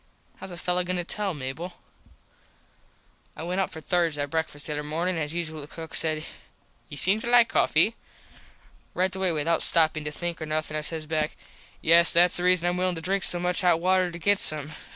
Hows a fello goin to tell, Mable? I went up for thirds at breakfast the other morning as usual an the cook said "You seem to like coffee." Right away without stoppin to think or nothin I says back "Yes thats the reason Im willin to drink so much hot water to get some."